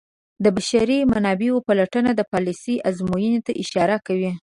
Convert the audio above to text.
د بشري منابعو پلټنه د پالیسیو ازموینې ته اشاره کوي.